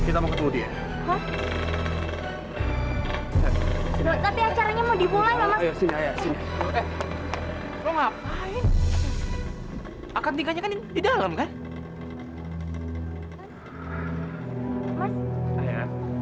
sampai jumpa di video selanjutnya